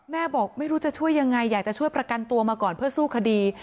บอกไม่รู้จะช่วยยังไงอยากจะช่วยประกันตัวมาก่อนเพื่อสู้คดี